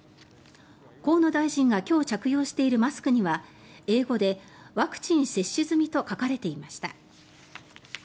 河野大臣が今日着用しているマスクには英語でワクチン接種済みと書かれていました。